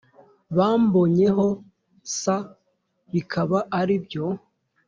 Bambonyeho s bikaba ari byo